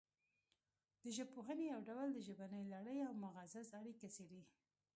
د ژبپوهنې یو ډول د ژبنۍ لړۍ او مغزو اړیکه څیړي